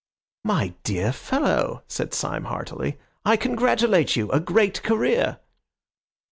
"My dear fellow." said Syme heartily, "I congratulate you. A great career!"